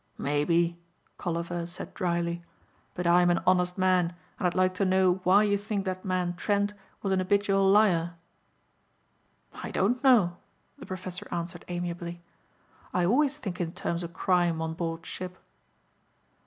"Maybe," Colliver said dryly, "but I'm an honest man and I'd like to know why you think that man Trent was an habitual liar." "I don't know," the professor answered amiably. "I always think in terms of crime on board ship."